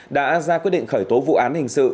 đã ra quyết định khởi tố vụ án hình sự